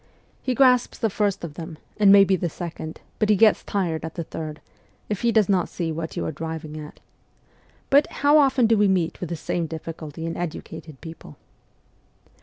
He grasps the first of them, and may be the second, but he gets tired at the third, if he does not see what you are driving at. But, how often do we meet with the same difficulty in educated people